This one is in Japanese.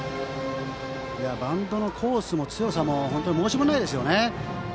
バントのコースも強さも本当申し分ないですね。